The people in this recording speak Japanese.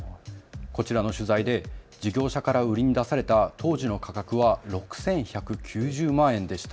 こちらの取材で事業者から売りに出された当時の価格は６１９０万円でした。